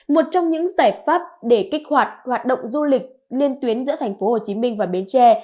một trong những giải pháp để kích hoạt hoạt động du lịch liên tuyến giữa thành phố hồ chí minh và bến tre